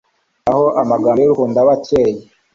naho amagambo y’urukundo aba akeye